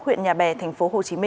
huyện nhà bè tp hcm